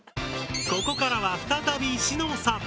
ここからは再びしのさん。